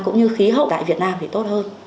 cũng như khí hậu tại việt nam thì tốt hơn